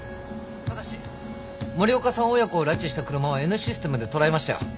ただし森岡さん親子を拉致した車をＮシステムで捉えましたよ。